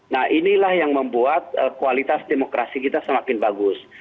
nah inilah yang membuat kualitas demokrasi kita semakin bagus